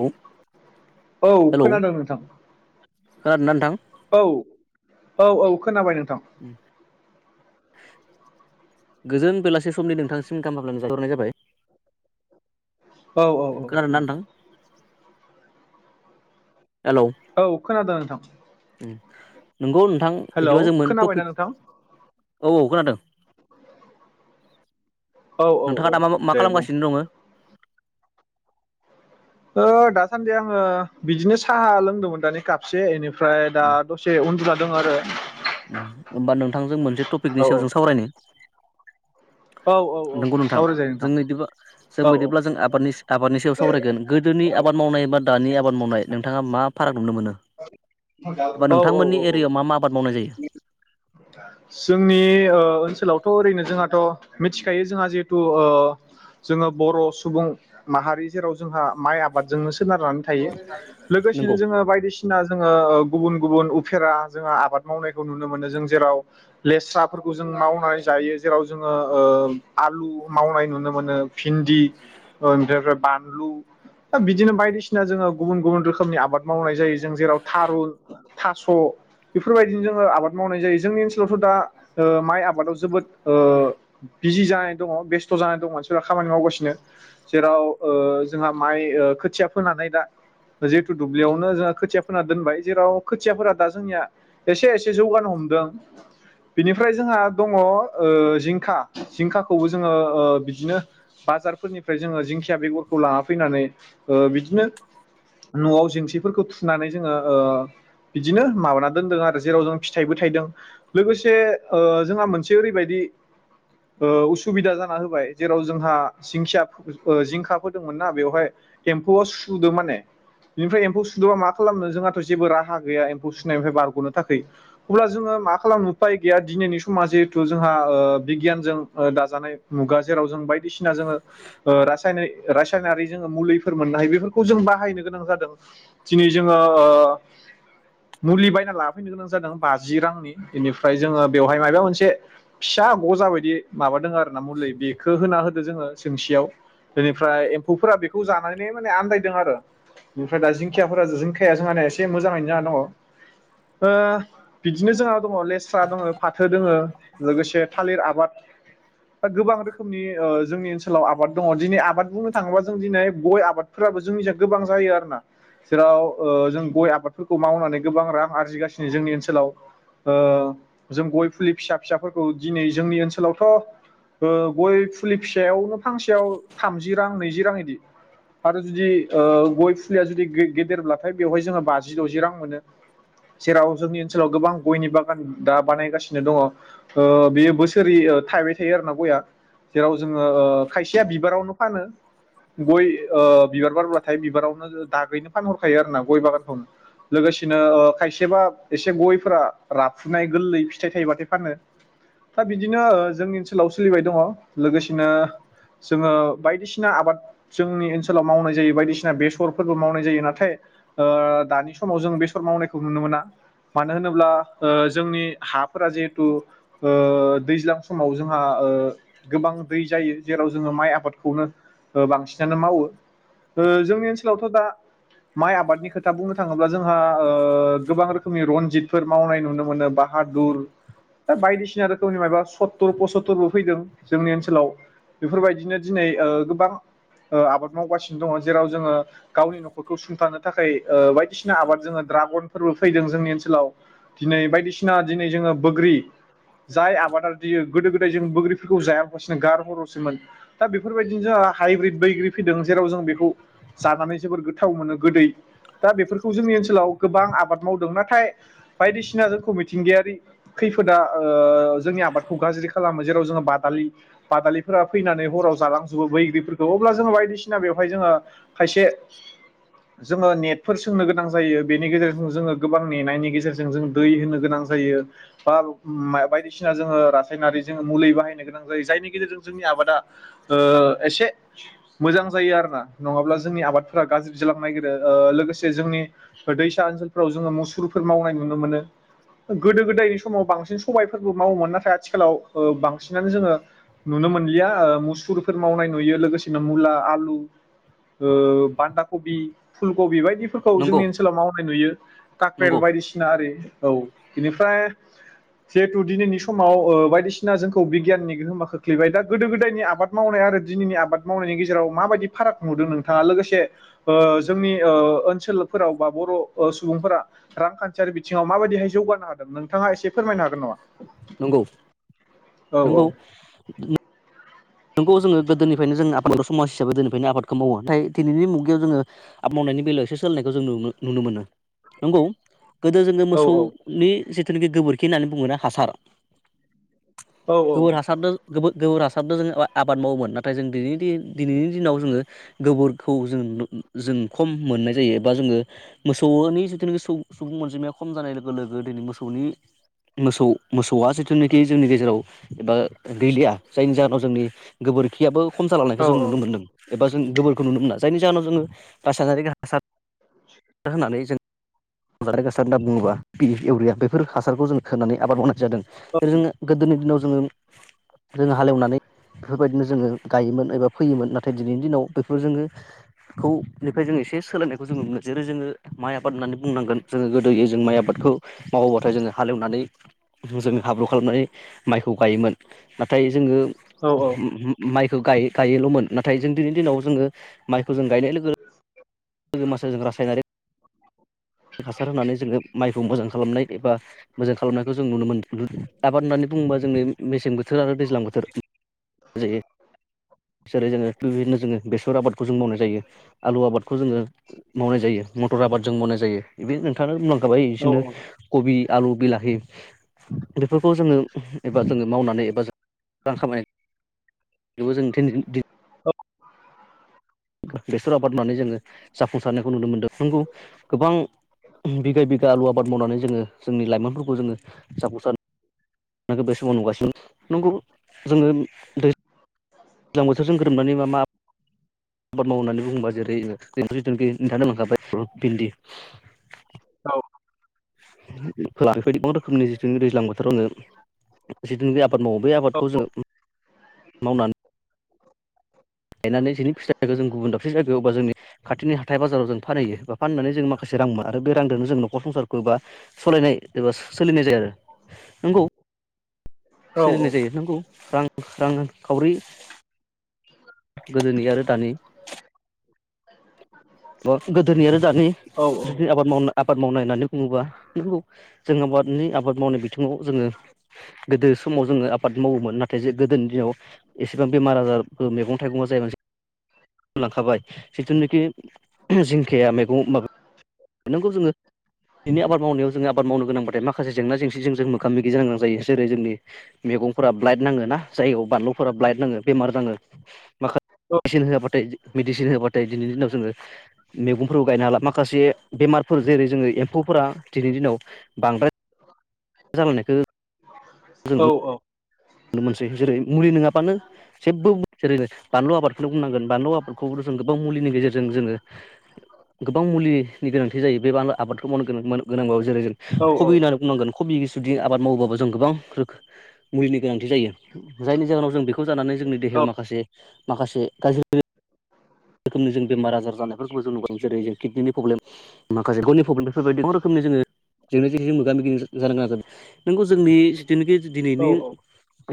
औ औ हेलौ खोनादों नोंथां। खोनादोंना नोंथां? औ। औ औ खोनाबाय नों उम। गोजोन बेलासे समनि नोंथांसिम गाहाम हामग्लायनाय जासिहरनाय जाबाय। औ औ औ नोंथां। हेलौ औ खोनादों नोंथां। नोंगौ नोंथां हेलौ बिदिबा जोंमोन खोनाबायना टपिक नोंथां औ औ खोनादों। औ औ औ नोंथाङा दा मा मा दे बुं खालामगासिनो दङो? ओ दासान्दि आङो बिदिनो साहा लोंदोंमोन दानि कापसे एनि फ्राय दा दसे उनदु दं आरो उम होमबा नोंथांजों मोनसे टपिकनि औ सायाव जों सावरायनो औ औ औ नंगौ नोंथां सावरायजायो जों नोंथां बिदिबा जों औ बिदिब्ला जों आबादनि आबादनि सायाव सावरायगोन गोदोनि आबाद मावनाय बा दानि आबाद मावनाय नोंथाङा मा फाराग नुनो मोनो एबा औ औ नोंथांमोननि औ औ एरियायाव मा मा आबाद मावनाय जायो? जोंनि ओ ओनसोलावथ' ओरैनो जोंहाथ' मिथिखायो जोंहा जिहेथु ओ जोङो बर' सुबुं माहारि जेराव जोंहा माइ आबादजोंनो सोनारनानै थायो लोगोसेनो नंगौ जोङो बायदिसिना बायदिसिना जोङो गुबुन गुबुन उफेरा जोंङो आबाद मावनायखौ नुनो मोनो जों जेराव लेस्राफोरखौ जों मावनानै जायो जेराव जोङो ओ आलु मावनाय नुनो मोनो भिन्दि बेनिफ्राय बानलु बिदिनो बायदिसिना जोङो गुबुन गुबुन रोखोमनि आबाद मावनाय जायो। जों जेराव थारुन थास' बेफोरबायदिनो जोङो आबाद मावनाय जायो जोंनि ओनसोलावथ' दा ओ माइ आबादाव जोबोद ओ बिजि जानाय दङ बेस्थ' जानाय दङ मानसिफ्रा खामानि मावगासिनो जेराव ओ जोंहा माइ ओ खोथिया फोनानै दा जिहेथु दुब्लियावनो जों खोथियाफोना दोनबाय जेराव खोथियाफोरा दा जोंनिया एसे एसे जौगानो हमदों बेनिफ्राय जोंहा दङ ओ जिंखा जिंखाखौबो जोङो ओ बिदिनो बाजारफोरनिफ्राय जोङो जिंखिया बेगरखौ लाना फैनानै ओ बिदिनो न'आव जेंसिफोरखौ थु फिनानै जोङो ओ बिदिनो माबाना दोनदों आरो जेराव जों फिथाइबो थाइदों लोगोसे ओ जोंहा मोनसे ओरैबायदि ओ उसुबिदा जाना होबाय जेराव जोंहा जिंखिया ओ जिंखा फोदोंमोन ना बेवहाय एम्फौआ सुदों माने बेनिफ्राय एम्फौ सुदबा मा खालामनो जोंहाथ' जेबो राहा गैया एम्फौ सुनायनिफ्राय बारग'नो थाखाय अब्ला जोङो मा खालामनो उफाय गैया दिनैनि समा जिहेथु जोंहा ओ बिगियानजों ओ दाजानाय मुगा जेराव जों बाय दिसिना जोङो ओ रासायनारि रासायनारि जोङो मुलिफोर मोननो हायो बेफोरखौ जों बाहायनो गोनां जादों दिनै जोङो ओ मुलि बायना लाफैनो गोनां जादों बाजि रांनि बेनिफ्राय जोङो बेवहाय मायबा मोनसे फिसा गजा बायदि माबादों आरो मुलि बेखौ होना होदो जोङो। सोंसियाव बेनिफ्राय एम्फौफोरा बेखौ जानानै माने आनदायदों आरो बेनिफ्राय दा जिंखियाफोरा खाया जोंहान एसे मोजाङैनो जहा दङ ओ बिदिनो जोंहा दङ लेस्रा दङ फाथो दङ लोगोसे थालिर आबाद गोबां रोखोमनि ओ जोंनि ओनसोलाव आबाद दङ दिनै आबाद बुंनो थाङोबा जों दिनै गय आबादफोराबो जोंनिजों गोबां जायो आरोना जेराव ओ जों गय आबादफोरखौ मावनानै गोबां रां आरजिगासिनो जोंनि ओनसोलाव ओ जों गय फुलि फिसा फिसाफोरखौ दिनै जोंनि ओनसोलावथ' ओ गय फुलि फिसायावनो फांसेयाव थामजि रां नैजि रां बिदि आरो जुदि ओ गय फुलिया जुदि गे गेदेरल्बा फ्राय बेवहाय जोङो बाजि द'जि रां मोनो जेराव जोंनि ओनसोलाव गोबां गयनि बागान दा बानायगासिनो दङ ओ बेयो बोसोरै थायबाय थायो आरो ना गया जेराव जोङो ओ खायसेया बिबारावनो फानो गय ओ बिबार बारब्लाथाय बिबारावनो दागैनो फानहर थायो आरोना गय बागानखौ लोगोसेनो ओ खायसेबा एसे गयफोरा राफुनाय गोरलै फिथाइ थायोबाथाय फानो दा बिदिनो ओ जोंनि ओनसोलाव सोलिबाय दङ लोगोसेनो जोङो बायदिसिना आबाद जोंनि ओनसोलाव मावनाय जायो बायदिसिना बेसरफोरबो मावनाय जायो नाथाय ओ दानि समाव जों बेसर मावनायखौ नुनो मोना मानो होनोब्ला ओ जोंनि हाफोरा जिहेथु ओ दैज्लां समाव जोंहा ओ गोबां दै जायो जेराव जोङो माइ आबादखौनो ओ बांसिनानो मावो ओ जोंनि ओनसोलावथ' दा माइ आबादनि खोथा बुंनो थाङोब्ला जोंहा ओ गोबां रोखोमनि रनजितफोर मावनाय नुनो मोनो बाहादुर दा बायदिसिना रोखोमनि माबा सत्तुर पसत्तुरबो फैदों जोंनि ओनसोलाव बेफोरबायदिनो दिनै ओ गोबां ओ आबाद मावगासिनो दङ जेराव जोङो गावनि न'खर सुंथानो थाखाय ओ बायदिसिना आबाद जोङो ड्रागन फोरबो फैदों जोंनि ओनसोलाव दिनै बायदिसिना दिनै जोङो बोग्रि जाय आबादारि दियो गोदो गोदाय जों बैग्रिफोरखौ जाया बासिनो गारहरोसोमोन दा बेफोरबायदिनो जोंहा हाइब्रिद बैग्रि फैदों जेराव जों बेखौ जानानै जोबोर गोथाव मोनो गोदै दा बेफोरखौ जोंनि ओनसोलाव गोबां आबाद मावदों नाथाय बायदिसिना जोंखौ मिथिंगायारि खैफोदा ओ जोंनि आबादखौ गाज्रि खालामो जेराव जोङो बादालि बादालिफोरा फैनानै हराव जालांजोबो बैग्रिफोर खौ अब्ला जोङो बायदिसिना बेवहाय जोङो खायसे जोङो नेटफोर सोंनो गोनां जायो बेनि गेजेरजों जोङो गोबां नेनायनि गेजेरजों जों दै होनो गोनां जायो बा मा बायदिसिना जोङो रासायनारि जों मुलि बाहायनो गोनां जायो जायनि गेजेरजों जोंनि आबादा ओ एसे मोजां जायो आरोना नङाब्ला जोंनि आबादफोरा गाज्रि लांनायगोरो ओ लोगोंसे जोंनि दैसा ओनसोलफ्राव जोङो मुुसुरफोर मावनाय नुनो मोनो गोदो गोदायनि समाव बांसिन सबायफोरबो मावोमोन नाथाय आथिखालाव ओ बांसिनानो जोङो नुनो मोनलिया मुसुरफोर मावनाय नुयो लोगोसेनो मुला आलु खौ ओ बान्दा कबि फुल कबि बाय फोरखौ नंगौ जोंनि ओनसोलाव मावनाय नुयो काक्रेल नंगौ बायदिसिना आरि। औ बेनिफ्राय जिहेथु दिनैनि समाव ओ बायदिसिना जोंखौ बिगियाननि गोहोमा खोख्लैबाय दा गोदो गोदायनि आबाद मावनाय आरो दिनैनि आबाद मावनायनि गेजेराव माबायदि फाराग नुदों नोंथाङा लोगोसे ओ‌ जोंनि ओ ओनसोलफोराव बा बर' सुबुंफोरा रांखान्थियारि बिथिङाव माबायदिहाय जौगानो हादों नोंथाङा एसे फोरमायनो हागोन नामा? नंगौ नंगौ उम नोंगौ जोङो गोदोनिफ्रायनो जोंङो आबाद समाज हिसाबै दिनैफ्रायनो आबादखौ मावो नाथाय दिनैनि मुगायाव जोङो आबाद मावनायनि बेलायावसो सोलायनायखौ जों नु नुनु-नुनो मोनो नंगौ। गोदो जोङो औ मोसौनि जिथुनाखि गोबोरखि होननानै बुंङोना हासार औ गोबोर हासारदो गोबो गोबोर हासारदो जोङो ओ आबाद मावोमोन नाथाय जों दिनैनि दि दिनैनि दिनाव जोङो गोबोरखौ जों औ जों खम मोननाय जायो एबा जोङो मोसौनि जिथुनाखि सु-सुबुं अनजिमाया खम जानाय लोगो लोगो दिनै मोसौनि मोसौ मोसौआ जिथुनाखि जोंनि गेजेराव एबा गैलिया जायनि जाहोनाव जोंनि गोबोरखियाबो खम जालांनायखौ जों नुनो मोन्दों। एबा जों गोबोरखौ नुनो मोना जायनि जाहोनाव जोङो रासायनारि हासार होनानै जों [unintelligible] बे इउरिया बेफोर हासारखौ जों होनानै आबाद मावनाय जादों जेरै जोङो गोदोनि दिनाव जोङो जोङो हालेवनानै बेफोरबायदिनो जोङो गायोमोन एबा फैयोमोन नाथाय दिनैनि दिनाव बेफोर जोङो खौनिफ्राय जो एसे सोलायनायखौ जोङो मोनो जेरै जोङो माइ आबाद होननानै बुंनांगोन जोङो गोदोय जों माइ आबादखौ मावोबाथाय जोङो हालेवनानै जोङो हाब्रु खालामनानै माइखौ गायोमोन। नाथाय जोङो औ उम उम माइ गायो गायोल'मोन नाथाय जों दिनै दिनाव जोङो माइखौ जों गायनाय लोगो [unintelligible] जों रासायनारिक हासार होनानै जोङो माइखौ मोजां खालामनाय एबा मोजां खालामनायखौ जों नुनो मोनदो दों आबाद होननानै बुङोबा जोंनि मेसें बोथोर आरो दैज्लां बोथोर जायो जेरै जोङो बेबायदिनो जोङो बेसर आबादखौ जों मावना जायो आलु आबाद जोङो मावनाय जायो मटर आबाद जों मावनाय जायो बे नोंथांङानो बुंलांखाबाय औ इसोरनो कबि आलु बिलाहि बेफोरखौ जोङो एबा जोङो मावनानै एबा रां खामाय बेबो जों थिन-दिन बेसर आबाद मावनानै जोङो जाफुंसारनायखौ नुनो मोनदों नोंगौ गोबां बिगा बिगा आलु आबाद मावनानै जोङो जोंनि लाइमोनफोरखौ जोङो जाफुंसार [unintelligible] बे समबाव नुगासिनो नंगौ। जोङो दै दैज्लां बोथोरजों गोरोबनानै मा मा आबाद मावो होननानै बुङोबा जेरै [unintelligible] लांखाबाय भिन्दि [unintelligible] गोबां रोखोमनि जिथुनि दैज्लां बोथोरावनो जिथुनि आबाद मावो बे आबादखौ जोङो मावनानै। गायनानै जेनि फिथायखौ जों गुबुन दाबसे जायगायाव बा जोंनि खाथिनि हाथाय बाजाराव जों फानहैयो बा फाननानै जों माखासे रां मोनो आरो बे रांदोनो जों नखर संसारखौ बा सालायनाय एबा सोलिनाय जायो आरो नंगौ। औ सोलिनाय जायो नंगौ। रां रांखावरि गोदोनि आरो दानि। बा गोदोनि आरो दानि बिदिनो आबाद मावना आबाद मावनाय होननानै बुङोब्ला नोंगौ जों आबादनि आबाद मावनाय बिथिङाव जोङो गोदो समाव जोङो आबाद मावोमोन नाथाय जे गोदोनि दिनाव एसेबां बेमार आजारबो मैगं थाइगं [inaudible] जिथुनाखि। जिंखाया मैगं माबा। नोंगौ जोङो दिनै आबाद मावनायाव जोङो आबाद मावनो गोनांब्लााथाय माखासे जेंना जेंसिजों जों मोगा मोगि जानो गोनां जायो जेरै जोंनि मैगंफोरा ब्लाइड नाङो ना जायगायाव बानलुफोरा ब्लाइड नाङो बेमार नाङो माखासे मेसिन होआबाथाय मेडिसिन होआाबाथाय दिनैनि दिनाव जोङो मैगंफोरखौ गायनो हाला माखासे। बेमारफोर जेरै जोङो एम्फौफोरा दिनैनि दिनाव बांद्राय। जालांनायखौ। औ औ। मोनसै जेरै मुलि नङाबानो जेबो जेरैनो बानलु आबादखौनो बुंनांगोन बानलु आबादखौ जों गोबां मुलिनि गेजेरजों जोङो गोबां मुलिनि गोनांथि जायो बे बानलु आबादखौ मावनो गोनांबाबो जेरै जों औ कबि होननानै बुंनांगोन कबि जुदि आबाद मावोबाबो जों गोबां रोखोम मुलिनि गोनांथि जायो जायनि जाहोनाव जों बेखौ जानानै जोंनि औ देहायाव माखासे माखासे गाज्रि। रोखोमनि जों बेमार आजार जानायफोरखौ जों नुबोदों जेरै जों किडनि प्रब्लेम माखासे मेगननि प्रब्लेम बेफोरबायदि गोबां रोखोमनि जोङो जेंना जेंसिजों मोगा मोगि जानो गोनां जादों नोंगौ जोंनि जिथुनिखि औ दिनैनि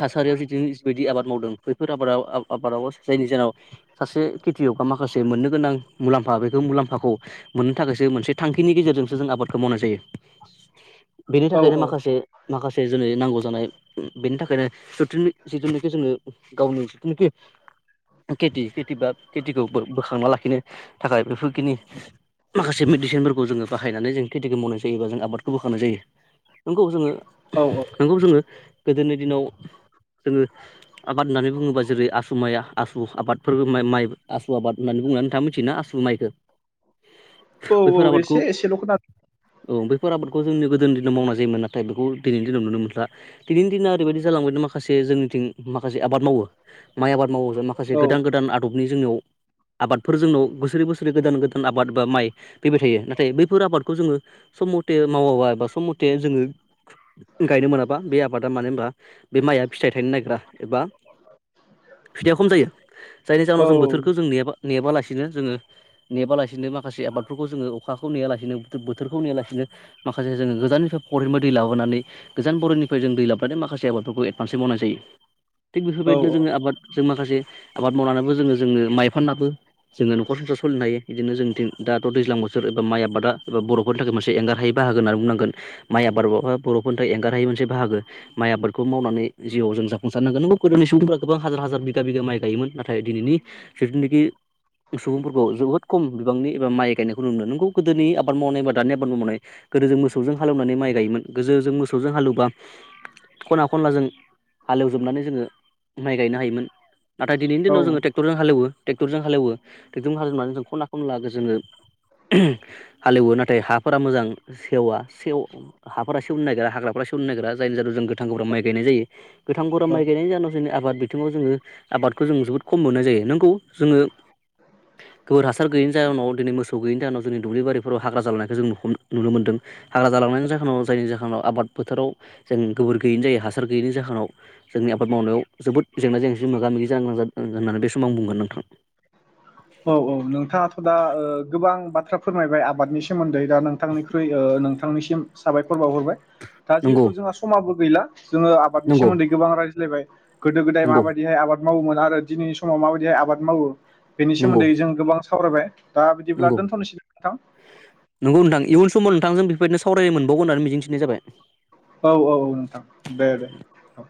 थासारियाव जिथुनि जिबायदि आबाद मावदों बैफोर आबादाव आबादाव जायनि जाहोनाव सासे। खितियकआ माखासे मोननो गोनां मुलाम्फा बे मुलाम्फाखौ मोननो थाखायसो मोनसे थांखिनि गेजेरजोंसो जों आबादखौ मावनाय जायो। बेनि औ थाखायनो माखासे। माखासे जोंनो नांगौ जानाय बेनि थाखायनो जिथुनिखि जोङो गावनि जिथुनाखि खेथि खेथि बा। खेथिखौ बोखांना लाखिनो थाखाय बेफोरखिनि माखासे मेडिसिनफोरखौ जोङो बाहायनानै जों खेथिखौ मावनाय जायोबा जों आबादखौ बोखांनाय जायो नंगौ जोङो औ औ नंगौ जोङो गोदोनि दिनाव जोङो आबाद होननानै बुङोबा जेरै आसु माइ आसु आबादफोरबो माइ। आसु आबाद होननानै बुंनानै नोंथाङा मिथियोना आसु माइखौ! बैफोर औ आबादखौ एसे एसेल खोना। औ बैफोर आबादखौ जोंनि गोदोनि दिनाव मावना जायोमोन नाथाय बेखौ दिनैनि दिनाव नुनो मोनला दिनैनि दिनाव ओरैबायदि जालांबाय माखासे जोंनिथिं माखासे आबाद मावो माइ आबाद मावो माखासे औ गोदान गोदान आदबनि जोंनियाव आबादफोर जोंनाव बोसोरै बोसोरै गोदान गोदान आबाद बा माइ फैबाय थायो नाथाय बैफोर आबादखौ जोङो सम मथे मावाबा एबा सम मथे जोङो गायनो मोनाबा बे आबादा मानो होनबा बे माइआ फिथाइ थाइनो नागग्रा एबा फिथाइया खम जायो जायनि औ जाहोनाव जों बोथोर। खौ जों नेबा नेबालासिनो जोङो नेबालासिनो माखासे आबादफोरखौ जोङो अखाखौ नेयालासेनो बोथोरखौ नेया लासिनो माखासे जोङो गोजाननिफ्राय फरनिफ्राय दै लाबोनानै गोजान बरिनिफ्राय जों दै लाबोनानै माखासे आबादफोरखौ एदभान्सै मावनाय जायो थिग बेफोरबायदिनो जोङो आबाद जों माखासे आबाद मावनानैबो जोङो जोङो माइ फाननाबो जोङो नखर संसार सोलिनो हायो बिदिनो जोंनिथिं दाथ दैज्लां बोथोर एबा माइ आबादाबा बरफोरनि थाखाय मोनसे एंगारहायै बाहागो होननानै बुंनांगोन माइ आबादा बरफोरनि थाखाय एंगारहायै मोनसे बाहागो माइ आबादखौ मावनानै जिउआव जों जाफुंसारनांगोन गोदोनि सुबुंफ गोबां हाजार हाजार बिगा बिगा माइ गायोमोन नाथाय दिनैनि जिथुनाखि सुबुंफोरखौ जोबोद खम बिबांनि एबा माइ गायनायखौ नुनो मोनो नोंगौ गोदोनि आबाद मावनाय एबा दानि आबाद मावनाय गोदो ज मोसौजों हालेवनानै माइ गायोमोन गोजोजों मोसौजों हालेवबा खना खनलाजों हालेवजोबनानै जोङो माइ गायनो हायोमोन नाथाय दिनैनि औ दिनाव जोङो ट्रेक्टरजों हालेवो ट्रेक्टरजों हालेवो ट्रेक्टरजों हालेवनानै जों खना खनला जोङो हालेवो नाथाय हाफोरा मोजां सेवा सेव हाफोरा सेवनो नागिरा हाग्राफोरा सेवनो नागिरा जायनि जाहोनाव जों गोथां गौरा माइ गायनाय जायो गोथां गोरा माइ गायनायनि जाहोनाव जोंनि आबाद बिथिङाव जोङो आबादखौ जों जोबोद खम मोननाय जायो नोंगौ। जोङो गोबोर हासार गैयैनि जाहोनाव दिनै मोसौ गैयैनि जाहोनाव जोंनि दुब्लि बारिफोराव हाग्रा जालांनायखौ जों नुनो मोनदों हाग्रा जालांनायनि जाहोनाव जायनि जाहोनाव आबाद बोथोराव जों गोबोर गैयैनि जायो हासार गैयैनि जाहोनाव जोंनि आबाद मावनायाव जोबोद जेंना जेंसिजों मोगा मोगि जानां होननानै बे समाव आं बुंगोन नोंथां। औ औ नोंथाङाथ दा ओ गोबां बाथ्रा। फोरमायबाय आबादनि सोमोन्दै दा नोंथांनिख्रुइ ओ नोंथांनिसिम साबायखर। बावहरबाय दा नंगौ जिहेतु जोंहा समाबो गैला जोङो आबादनि नंगौ सोमोन्दै गोबां रायज्लायबाय। गोदो गोदाय नंगौ माबायदिहाय आबाद। आबाद मावोमोन आरो दिनैनि समाव माबायदिहाय आबाद मावो। बेनि नंगौ सोमोन्दै जों गोबां। सावरायबाय। दा बिदिब्ला नंगौ दोनथनोसै नोंथां। नंगौ नोंथां इयुन समाव नोंथांजों बेफोरबायदिनो सावराय मोनबावगोन होननानै मिजिंथिनाय जाबाय। औ औ नोंथां दे दे औ।